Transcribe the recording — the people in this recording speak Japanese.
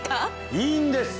いいんです！